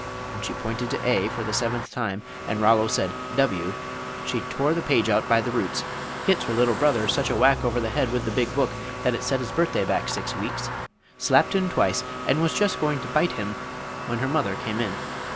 When she pointed to "A" for the seventh time, and Rollo said "W," she tore the page out by the roots, hit her little brother such a whack over the head with the big book that it set his birthday back six weeks, slapped him twice, and was just going to bite him, when her mother came in.